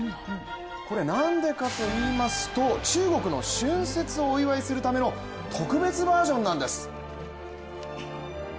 これ、なんでかといいますと中国の春節をお祝いするための特別バージョンなんです。